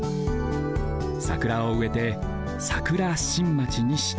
桜をうえて桜新町にした。